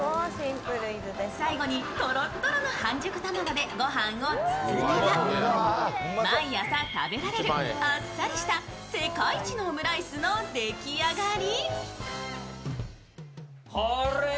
最後にとろとろの半熟卵でご飯を包めば毎朝食べられるあっさりした世界一のオムライスの出来上がり。